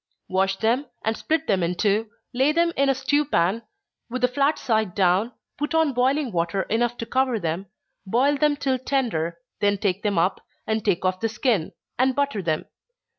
_ Wash them, and split them in two lay them in a stew pan, with the flat side down, turn on boiling water enough to cover them boil them till tender, then take them up, and take off the skin, and butter them.